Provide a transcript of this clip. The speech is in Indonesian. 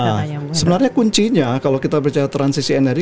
nah sebenarnya kuncinya kalau kita percaya transisi energi